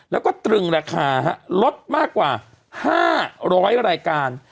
แล้วก็ตรึงราคาลดมากกว่า๕๐๐รายการ